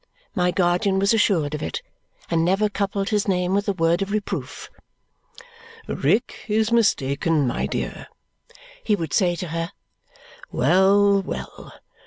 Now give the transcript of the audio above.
My guardian was assured of it, and never coupled his name with a word of reproof. "Rick is mistaken, my dear," he would say to her. "Well, well!